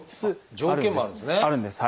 条件もあるんですね。